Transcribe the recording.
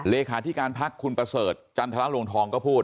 เลขาธิการพักคุณประเสริฐจันทรลวงทองก็พูด